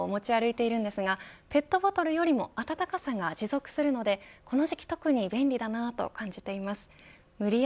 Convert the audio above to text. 最近タンブラーを持ち歩いているんですがペットボトルよりも温かさが持続するのでこの時期特に便利だなと感じています。